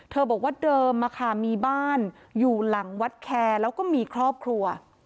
บอกว่าเดิมมีบ้านอยู่หลังวัดแคร์แล้วก็มีครอบครัว